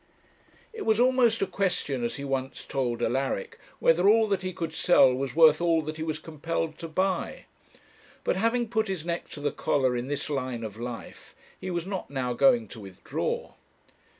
It was almost a question, as he once told Alaric, whether all that he could sell was worth all that he was compelled to buy. But having put his neck to the collar in this line of life, he was not now going to withdraw.